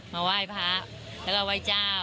มาไหว้พระแล้วก็ไหว้เจ้า